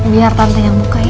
biar tante yang buka ini